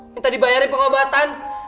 minta dibayarin pengobatan